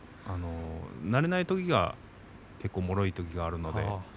なれないときは結構もろいときがあるので。